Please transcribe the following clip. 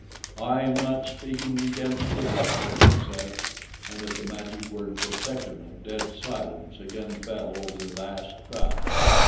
"I am not speaking against protection," he said, and at the magic word "protection" a dead silence again fell over the vast crowd.